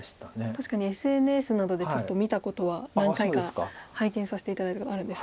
確かにＳＮＳなどでちょっと見たことは何回か拝見させて頂いたことあるんですが。